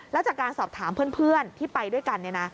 แล้วจากการสอบถามเพื่อนที่ไปด้วยกัน